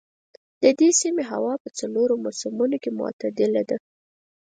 د دې سیمې هوا په څلورو موسمونو کې معتدله ده.